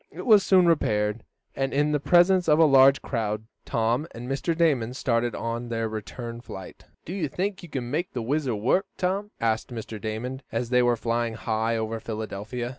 It was soon repaired, and, in the presence of a large crowd, Tom and Mr. Damon started on their return flight. "Do you think you can make the WHIZZER work, Tom?" asked Mr. Damon, as they were flying high over Philadelphia.